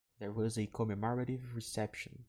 There was a commemorative reception.